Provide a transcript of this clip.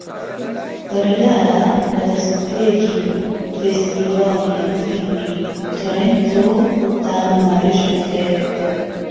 بڕیارە لە دەستپێکی فێستیڤاڵی فیلمی تۆرێنتۆ دا نمایش بکرێت